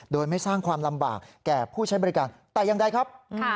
โดยไม่สร้างความลำบากแก่ผู้ใช้บริการแต่อย่างใดครับ